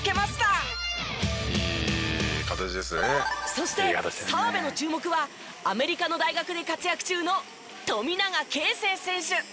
そして澤部の注目はアメリカの大学で活躍中の富永啓生選手。